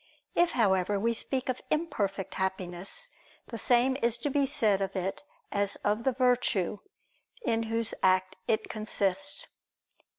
If, however, we speak of imperfect happiness, the same is to be said of it as of the virtue, in whose act it consists.